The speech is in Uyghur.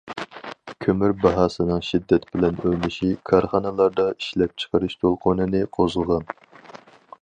كۆمۈر باھاسىنىڭ شىددەت بىلەن ئۆرلىشى كارخانىلاردا ئىشلەپچىقىرىش دولقۇنىنى قوزغىغان.